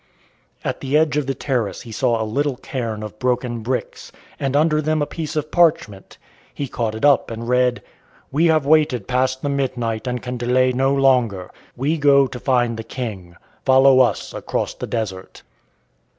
At the edge of the terrace he saw a little cairn of broken bricks, and under them a piece of parchment. He caught it up and read: "We have waited past the midnight, and can delay no longer. We go to find the King. Follow us across the desert."